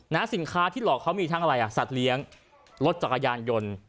สินค้าที่หลอกเขามีทั้งอะไรอ่ะสัตว์เลี้ยงรถจักรยานยนต์